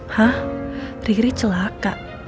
hah riri celaka